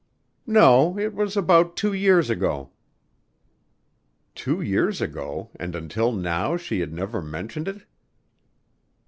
"No, it was about two years ago." Two years ago and until now she had never mentioned it!